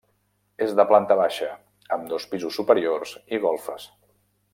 És de planta baixa, amb dos pisos superiors i golfes.